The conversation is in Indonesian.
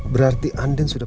berarti andin sudah